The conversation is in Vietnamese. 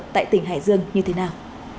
tại tỉnh hải dương như thế nào